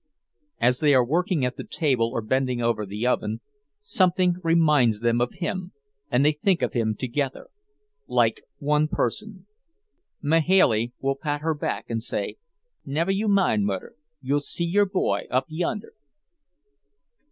As they are working at the table or bending over the oven, something reminds them of him, and they think of him together, like one person: Mahailey will pat her back and say, "Never you mind, Mudder; you'll see your boy up yonder."